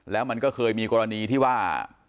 แล้วมันก็เคยมีกรณีที่ว่า